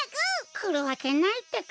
くるわけないってか。